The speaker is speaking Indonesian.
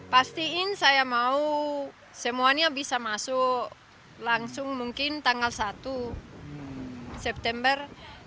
pastiin saya mau semuanya bisa masuk langsung mungkin tanggal satu september